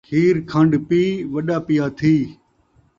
کھیر کھن٘ڈ پی ، وݙا پیا تھی